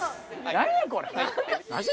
何やこれ。